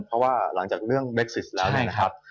เพราะว่าหลังจากเรื่องเม็กซิสแล้วเนี่ยนะครับ